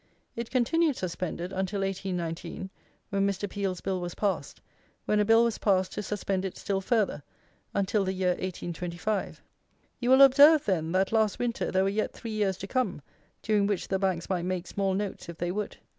It continued suspended until 1819, when Mr. Peel's Bill was passed, when a Bill was passed to suspend it still further, until the year 1825. You will observe, then, that, last winter there were yet three years to come, during which the banks might make small notes if they would.